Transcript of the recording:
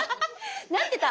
なってた？